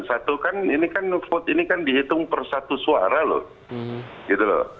satu kan ini kan vote ini kan dihitung per satu suara loh gitu loh